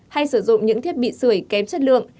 hay sử dụng những thiết bị sửa kém chất lượng